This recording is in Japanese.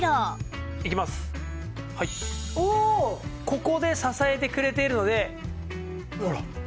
ここで支えてくれているのでほら！